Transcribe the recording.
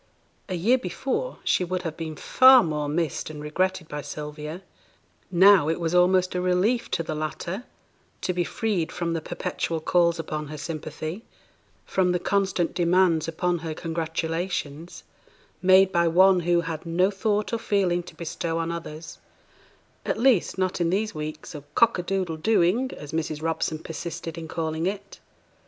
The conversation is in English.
A year before she would have been far more missed and regretted by Sylvia; now it was almost a relief to the latter to be freed from the perpetual calls upon her sympathy, from the constant demands upon her congratulations, made by one who had no thought or feeling to bestow on others; at least, not in these weeks of 'cock a doodle dooing,' as Mrs. Robson persisted in calling it.